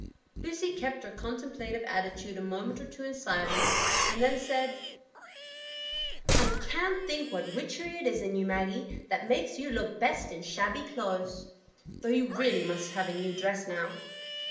Lucy kept her contemplative attitude a moment or two in silence, and then said,— "I can't think what witchery it is in you, Maggie, that makes you look best in shabby clothes; though you really must have a new dress now.